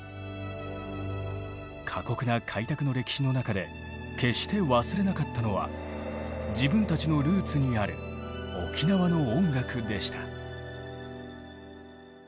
過酷な開拓の歴史の中で決して忘れなかったのは自分たちのルーツにある沖縄の音楽でした。